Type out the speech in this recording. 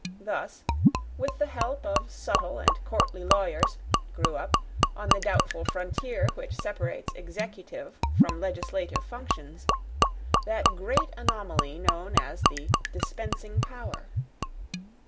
Thus, with the help of subtle and courtly lawyers, grew up, on the doubtful frontier which separates executive from legislative functions, that great anomaly known as the dispensing power.